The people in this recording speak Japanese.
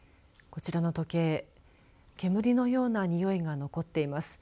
こちらの時計煙のようなにおいが残っています。